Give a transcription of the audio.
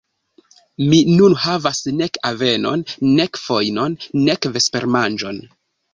Mi nun havas nek avenon, nek fojnon, nek vespermanĝon.